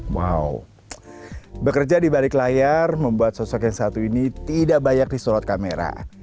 wow bekerja di balik layar membuat sosok yang satu ini tidak banyak disorot kamera